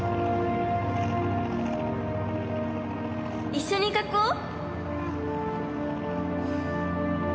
一緒に描こう。